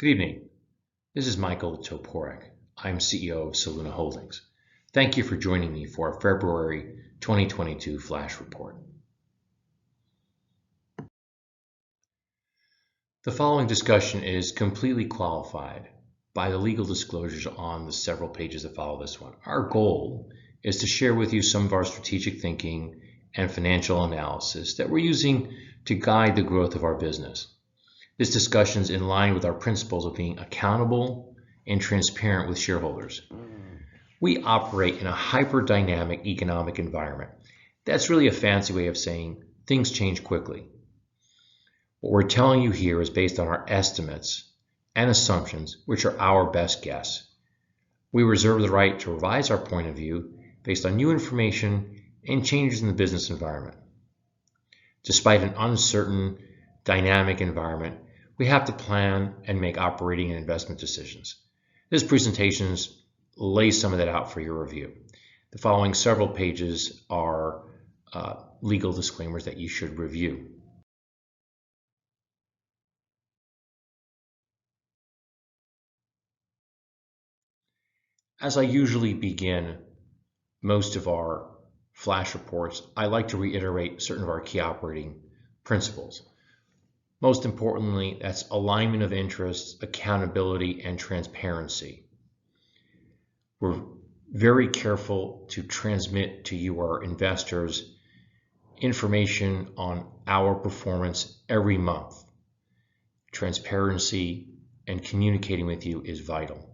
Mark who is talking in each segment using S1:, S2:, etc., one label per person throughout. S1: Good evening. This is Michael Toporek. I'm CEO of Soluna Holdings. Thank you for joining me for our February 2022 flash report. The following discussion is completely qualified by the legal disclosures on the several pages that follow this one. Our goal is to share with you some of our strategic thinking and financial analysis that we're using to guide the growth of our business. This discussion's in line with our principles of being accountable and transparent with shareholders. We operate in a hyper-dynamic economic environment. That's really a fancy way of saying things change quickly. What we're telling you here is based on our estimates and assumptions, which are our best guess. We reserve the right to revise our point of view based on new information and changes in the business environment. Despite an uncertain dynamic environment, we have to plan and make operating and investment decisions. This presentation lays some of that out for your review. The following several pages are legal disclaimers that you should review. As I usually begin most of our flash reports, I like to reiterate certain of our key operating principles. Most importantly, that's alignment of interests, accountability, and transparency. We're very careful to transmit to you, our investors, information on our performance every month. Transparency and communicating with you is vital.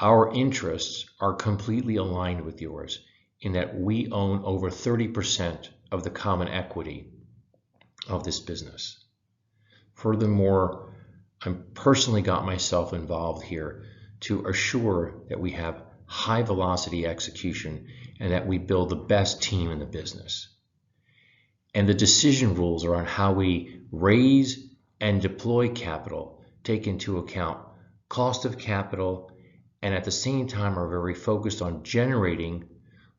S1: Our interests are completely aligned with yours in that we own over 30% of the common equity of this business. Furthermore, I personally got myself involved here to assure that we have high velocity execution and that we build the best team in the business. The decision rules around how we raise and deploy capital take into account cost of capital, and at the same time, are very focused on generating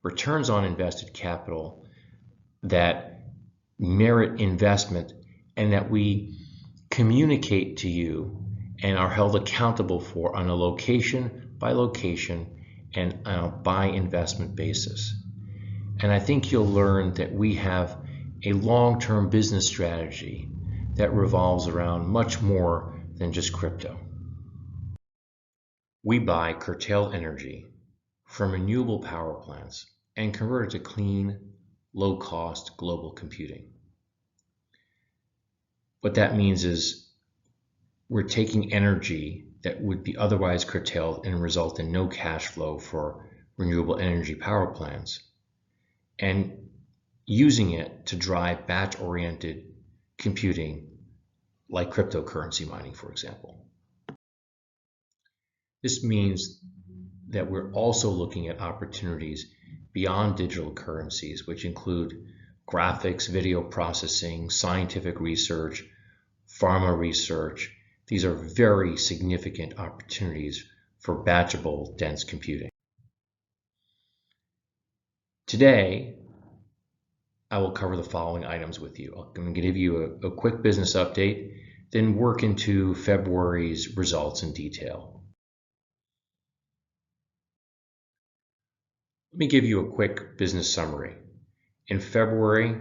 S1: returns on invested capital that merit investment, and that we communicate to you and are held accountable for on a location by location and on a by investment basis. I think you'll learn that we have a long-term business strategy that revolves around much more than just crypto. We buy curtailed energy from renewable power plants and convert it to clean, low-cost global computing. What that means is we're taking energy that would be otherwise curtailed and result in no cash flow for renewable energy power plants, and using it to drive batch-oriented computing like cryptocurrency mining, for example. This means that we're also looking at opportunities beyond digital currencies, which include graphics, video processing, scientific research, pharma research. These are very significant opportunities for batch-able dense computing. Today, I will cover the following items with you. I'm gonna give you a quick business update, then work into February's results in detail. Let me give you a quick business summary. In February,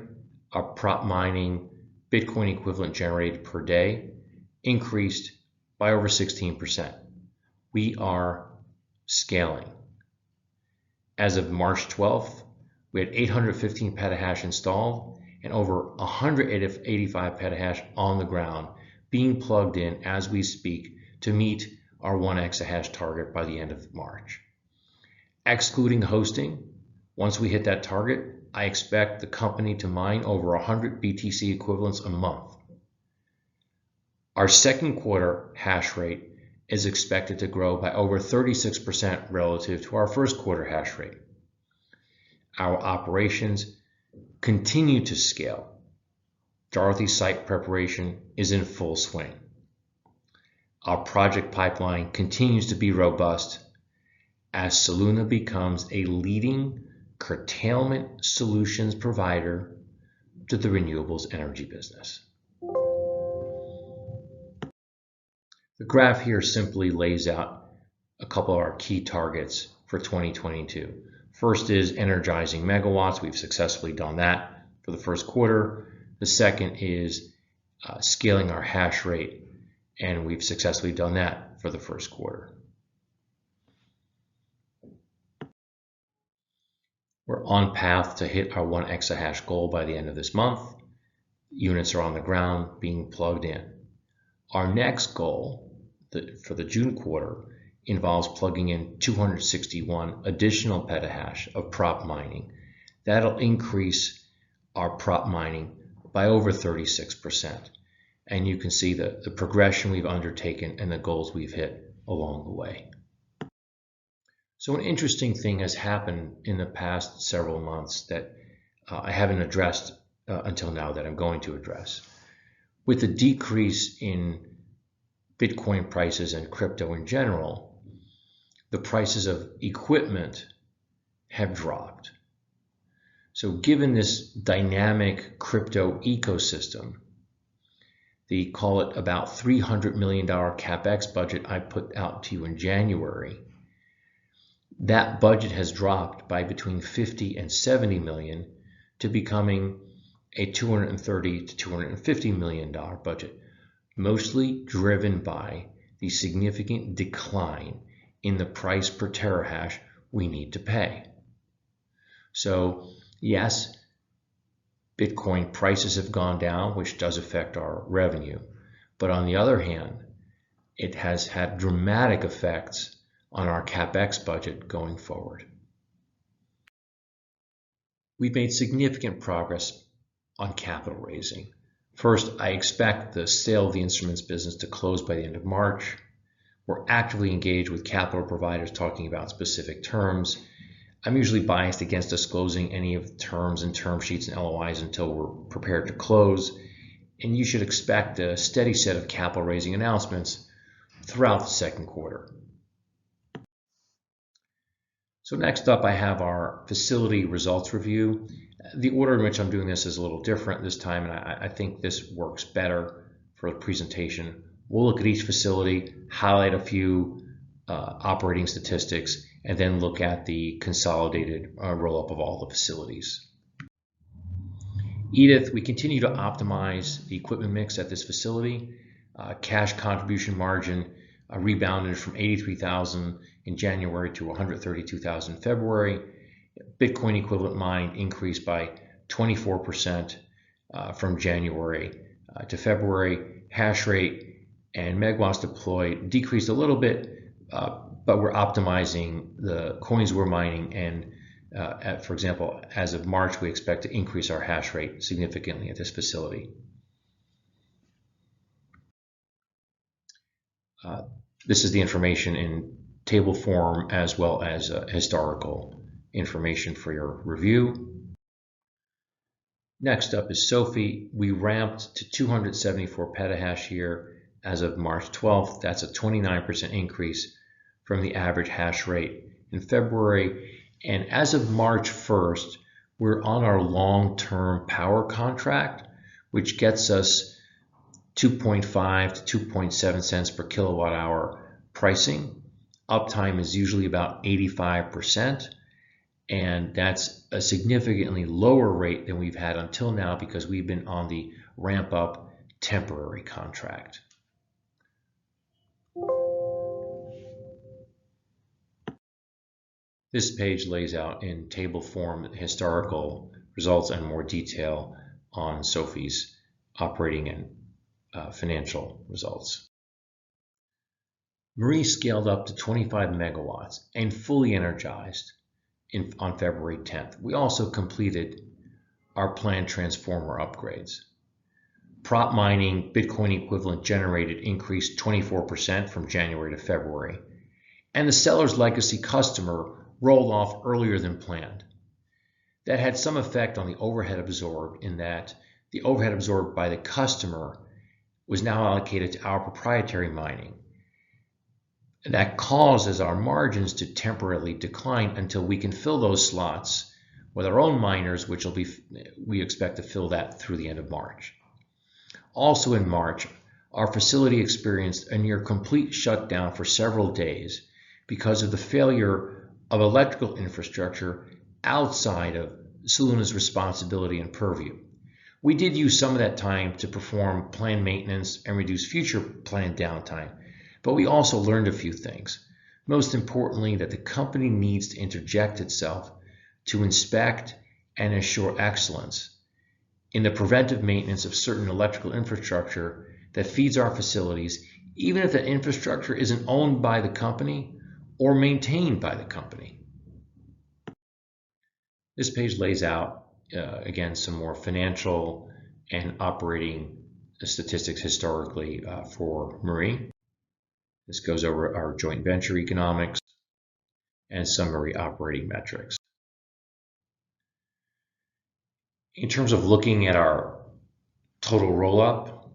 S1: our Prop-Mining BTC equivalent generated per day increased by over 16%. We are scaling. As of March 12, we had 815 petahash installed and over 185 petahash on the ground being plugged in as we speak to meet our 1 exahash target by the end of March. Excluding hosting, once we hit that target, I expect the company to mine over 100 BTC equivalents a month. Our second quarter hash rate is expected to grow by over 36% relative to our first quarter hash rate. Our operations continue to scale. Dorothy's site preparation is in full swing. Our project pipeline continues to be robust as Soluna becomes a leading curtailment solutions provider to the renewable energy business. The graph here simply lays out a couple of our key targets for 2022. First is energizing megawatts. We've successfully done that for the first quarter. The second is scaling our hash rate, and we've successfully done that for the first quarter. We're on track to hit our 1 exahash goal by the end of this month. Units are on the ground being plugged in. Our next goal for the June quarter involves plugging in 261 additional petahash of Prop-Mining. That'll increase our Prop-Mining by over 36%, and you can see the progression we've undertaken and the goals we've hit along the way. An interesting thing has happened in the past several months that, I haven't addressed, until now, that I'm going to address. With the decrease in Bitcoin prices and crypto in general, the prices of equipment have dropped. Given this dynamic crypto ecosystem, the called it about $300 million CapEx budget I put out to you in January, that budget has dropped by between $50 million and $70 million to becoming a $230 million-$250 million budget, mostly driven by the significant decline in the price per terahash we need to pay. Yes, Bitcoin prices have gone down, which does affect our revenue. On the other hand, it has had dramatic effects on our CapEx budget going forward. We've made significant progress on capital raising. First, I expect the sale of the instruments business to close by the end of March. We're actively engaged with capital providers talking about specific terms. I'm usually biased against disclosing any of the terms and term sheets and LOIs until we're prepared to close, and you should expect a steady set of capital raising announcements throughout the second quarter. Next up, I have our facility results review. The order in which I'm doing this is a little different this time, and I think this works better for the presentation. We'll look at each facility, highlight a few operating statistics, and then look at the consolidated roll-up of all the facilities. Edith, we continue to optimize the equipment mix at this facility. Cash contribution margin rebounded from $83,000 in January to $132,000 in February. Bitcoin equivalent mined increased by 24% from January to February. Hash rate and megawatts deployed decreased a little bit, but we're optimizing the coins we're mining. For example, as of March, we expect to increase our hash rate significantly at this facility. This is the information in table form as well as historical information for your review. Next up is Sophie. We ramped to 274 petahash here as of March 12. That's a 29% increase from the average hash rate in February. As of March 1, we're on our long-term power contract, which gets us $0.025-$0.027 per kWh pricing. Uptime is usually about 85%, and that's a significantly lower rate than we've had until now because we've been on the ramp-up temporary contract. This page lays out in table form historical results and more detail on Sophie's operating and financial results. Marie scaled up to 25 MW and fully energized on February 10th. We also completed our planned transformer upgrades. Prop-Mining BTC equivalent generation increased 24% from January to February, and the seller's legacy customer rolled off earlier than planned. That had some effect on the overhead absorbed in that the overhead absorbed by the customer was now allocated to our Proprietary Mining. That causes our margins to temporarily decline until we can fill those slots with our own miners. We expect to fill that through the end of March. Also in March, our facility experienced a near complete shutdown for several days because of the failure of electrical infrastructure outside of Soluna's responsibility and purview. We did use some of that time to perform planned maintenance and reduce future planned downtime, but we also learned a few things, most importantly, that the company needs to interject itself to inspect and ensure excellence in the preventive maintenance of certain electrical infrastructure that feeds our facilities, even if that infrastructure isn't owned by the company or maintained by the company. This page lays out, again, some more financial and operating statistics historically, for Marie. This goes over our joint venture economics and summary operating metrics. In terms of looking at our total roll-up,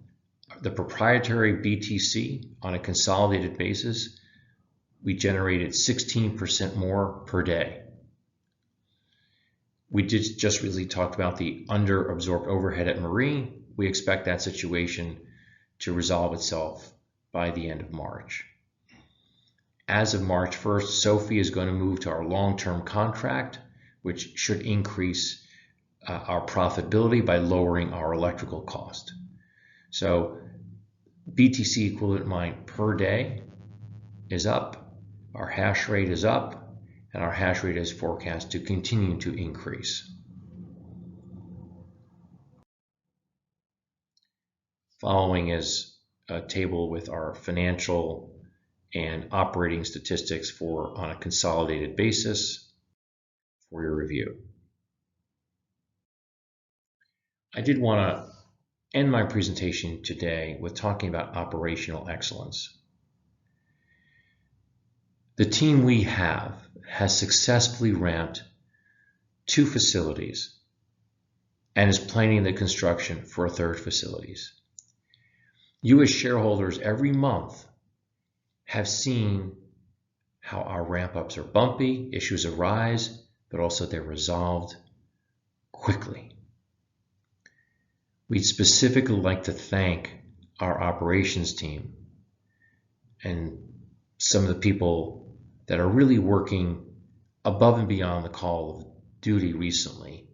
S1: the proprietary BTC on a consolidated basis, we generated 16% more per day. We did just really talk about the under-absorbed overhead at Marie. We expect that situation to resolve itself by the end of March. As of March 1st, Sophie is gonna move to our long-term contract, which should increase our profitability by lowering our electrical cost. BTC equivalent mined per day is up, our hash rate is up, and our hash rate is forecast to continue to increase. Following is a table with our financial and operating statistics for Q1 on a consolidated basis for your review. I did wanna end my presentation today with talking about operational excellence. The team we have has successfully ramped two facilities and is planning the construction for a third facility. You as shareholders every month have seen how our ramp-ups are bumpy, issues arise, but also they're resolved quickly. We'd specifically like to thank our operations team and some of the people that are really working above and beyond the call of duty recently,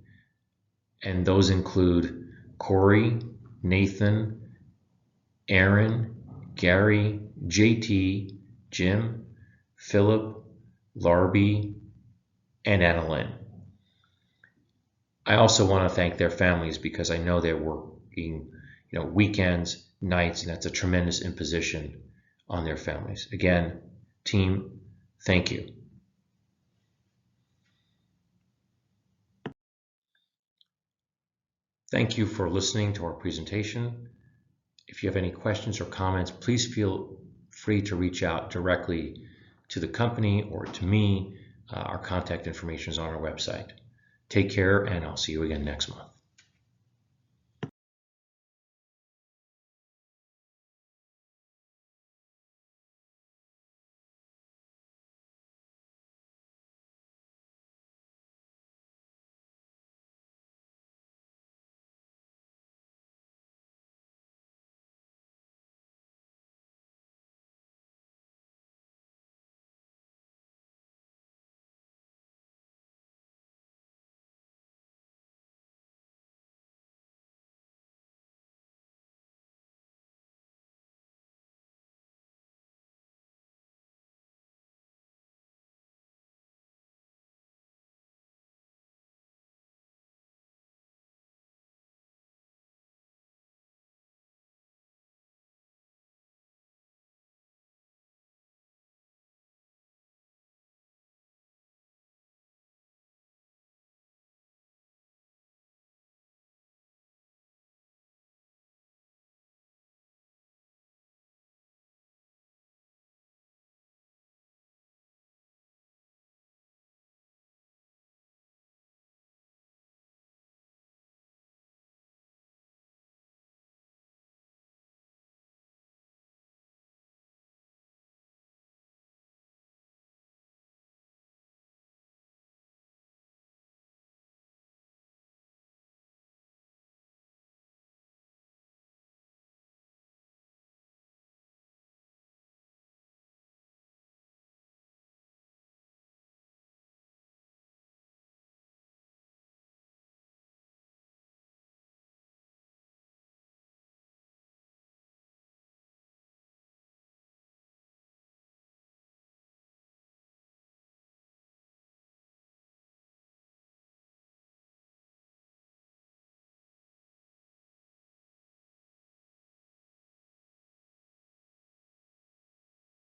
S1: and those include Corey, Nathan, Aaron, Gary, J.T., Jim, Philip, Larbi, and Adeline. I also wanna thank their families because I know they're working, you know, weekends, nights, and that's a tremendous imposition on their families. Again, team, thank you. Thank you for listening to our presentation. If you have any questions or comments, please feel free to reach out directly to the company or to me. Our contact information is on our website. Take care, and I'll see you again next month.